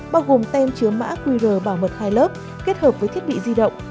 bao gồm tem chứa mã qr bảo mật hai lớp kết hợp với thiết bị di động